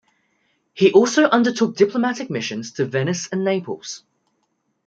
He also undertook diplomatic missions to Venice and Naples.